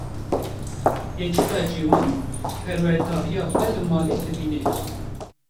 Keçika ciwan, perwerdehiya xwe li malê dibîne